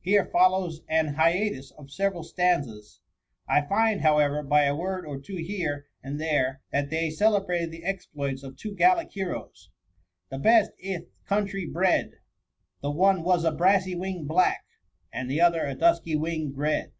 Here follows an hiatus of several stan zas : I find, however, by a word or two here and there, that they celebrated the exploits of two gallic heroes :—* The best i' th' country bred ; The one was a brassy wing blacky And the other a dusky wing'd red.'